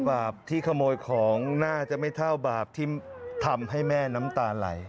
บาปที่ขโมยของน่าจะไม่เท่าบาปที่ทำให้แม่น้ำตาไหล